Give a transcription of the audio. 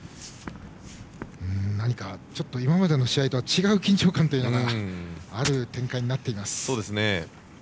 ちょっと今までの試合とは違う緊張感というのがある展開になっています。